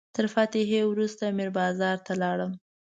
تر فاتحې وروسته میر بازار ته لاړم.